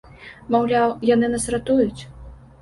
Маўляў, яны нас ратуюць.